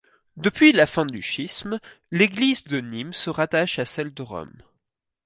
Depuis la fin du schisme, l'église de Nimes se rattache à celle de Rome.